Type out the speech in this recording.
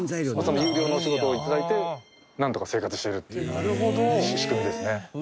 有料のお仕事を頂いてなんとか生活してるっていう仕組みですね。